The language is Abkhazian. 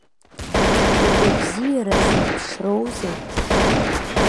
Угәабзиара зеиԥшроузеи?